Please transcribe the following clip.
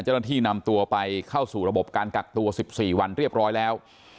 จะได้ที่นำตัวไปเข้าสู่ระบบการกักตัวสิบสี่วันเรียบร้อยแล้ว